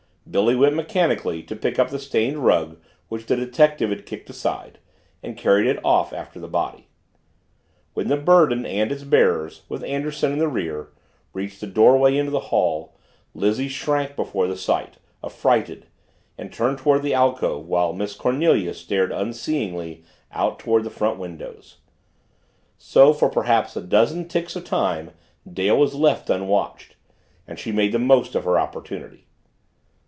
Billy went mechanically to pick up the stained rug which the detective had kicked aside and carried it off after the body. When the burden and its bearers, with Anderson in the rear, reached the doorway into the hall, Lizzie shrank before the sight, affrighted, and turned toward the alcove while Miss Cornelia stared unseeingly out toward the front windows. So, for perhaps a dozen ticks of time Dale was left unwatched and she made the most of her opportunity.